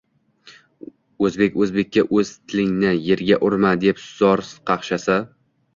Oʻzbek oʻzbekka oʻz tilingni yerga urma, deb zor qaqshasa.